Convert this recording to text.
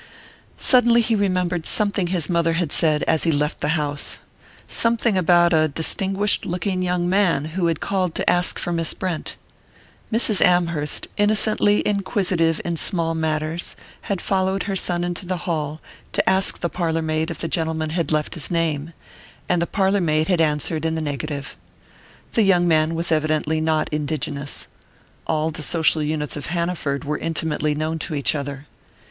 Suddenly he remembered something his mother had said as he left the house something about a distinguished looking young man who had called to ask for Miss Brent. Mrs. Amherst, innocently inquisitive in small matters, had followed her son into the hall to ask the parlour maid if the gentleman had left his name; and the parlour maid had answered in the negative. The young man was evidently not indigenous: all the social units of Hanaford were intimately known to each other.